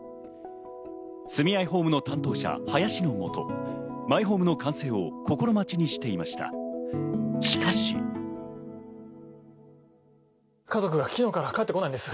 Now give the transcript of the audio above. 住愛ホームの担当者・林のもと、マイホームの完成を心待ちにして家族が昨日から帰ってこないんです。